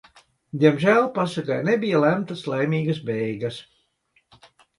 Diemžēl pasakai nebija lemtas laimīgas beigas.